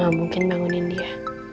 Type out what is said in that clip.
gak mungkin bangunin dia